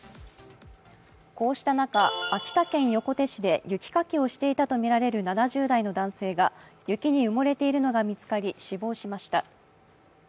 こうした中、秋田県横手市で雪かきをしていたとみられる７０代の男性が雪に埋もれているのが見つかり死亡しました。